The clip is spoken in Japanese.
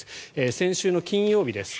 先週の金曜日です。